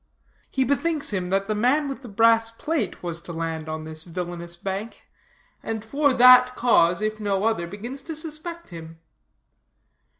He bethinks him that the man with the brass plate was to land on this villainous bank, and for that cause, if no other, begins to suspect him.